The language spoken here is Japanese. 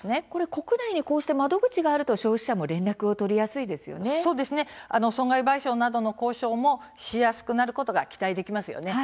国内に窓口があるとそうですね、損害賠償などの交渉もしやすくなることが期待できますよね。